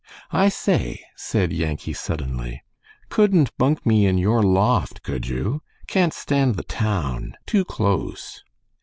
"I say," said Yankee, suddenly, "cudn't bunk me in your loft, cud you! Can't stand the town. Too close."